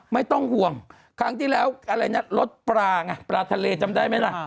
ไม่ต้องห่วงครั้งที่แล้วอะไรนะรสปลาไงปลาทะเลจำได้ไหมล่ะ